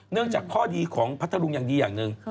จากข้อดีของพัทธรุงอย่างดีอย่างหนึ่ง